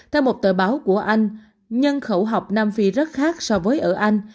theo một tờ báo của anh nhân khẩu học nam phi rất khác so với ở anh